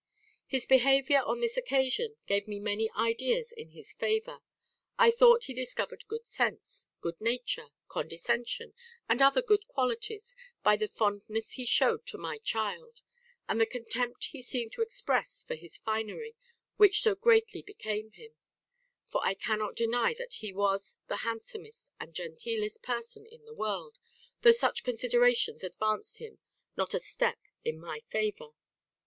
His behaviour on this occasion gave me many ideas in his favour. I thought he discovered good sense, good nature, condescension, and other good qualities, by the fondness he shewed to my child, and the contempt he seemed to express for his finery, which so greatly became him; for I cannot deny but that he was the handsomest and genteelest person in the world, though such considerations advanced him not a step in my favour.